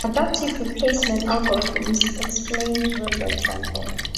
Adaptive replacement algorithm is explained with the example.